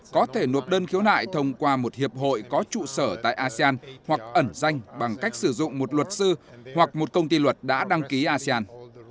có thể nộp đơn khiếu nại thông qua một hiệp hội có trụ sở tại asean hoặc ẩn danh bằng cách sử dụng một luật sư hoặc một công ty luật đã đăng ký asean